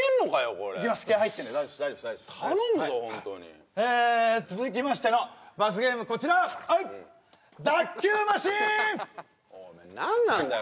これ気合い入ってんで大丈夫っす頼むぞホントにえ続きましての罰ゲームこちら脱臼マシーン何なんだよ